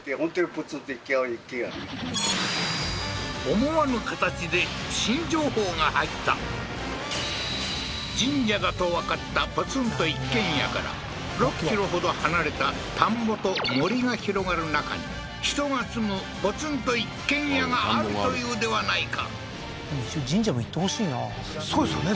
思わぬ形で新情報が入った神社だとわかったポツンと一軒家から６ｋｍほど離れた田んぼと森が広がる中に人が住むポツンと一軒家があるというではないか一応神社も行ってほしいなそうですよね